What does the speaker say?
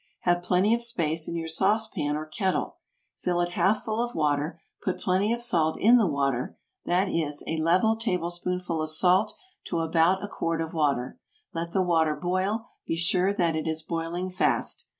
Have plenty of space in your sauce pan or kettle, fill it half full of water, put plenty of salt in the water, that is, a level tablespoonful of salt to about a quart of water, let the water boil; be sure that it is boiling fast.